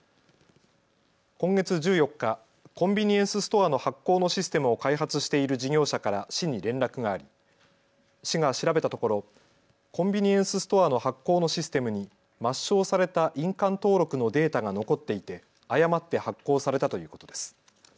今月１４日、コンビニエンスストアの発行のシステムを開発している事業者から市に連絡があり市が調べたところコンビニエンスストアの発行のシステムに抹消された印鑑登録のデータが残っていて誤って発行されたということです。